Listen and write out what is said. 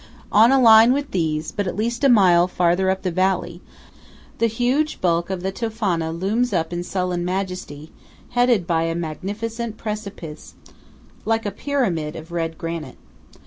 On a line with these, but at least a mile farther up the valley, the huge bulk of the Tofana looms up in sullen majesty, headed by a magnificent precipice, like a pyramid of red granite.